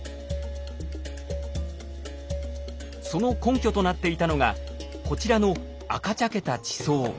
その根拠となっていたのがこちらの赤茶けた地層。